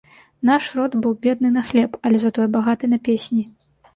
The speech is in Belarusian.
Наш род быў бедны на хлеб, але затое багаты на песні.